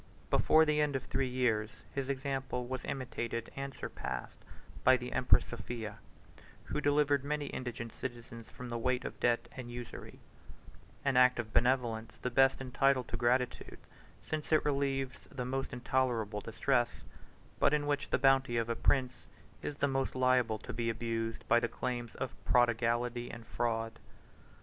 Before the end of three years, his example was imitated and surpassed by the empress Sophia, who delivered many indigent citizens from the weight of debt and usury: an act of benevolence the best entitled to gratitude, since it relieves the most intolerable distress; but in which the bounty of a prince is the most liable to be abused by the claims of prodigality and fraud.